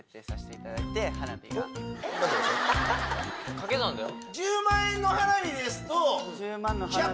掛け算だよ？